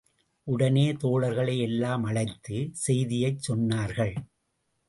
உடனே தோழர்களை எல்லாம் அழைத்து, செய்தியைச் சொன்னார்கள்.